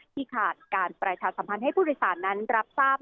ขาดการประชาสัมพันธ์ให้ผู้โดยสารนั้นรับทราบ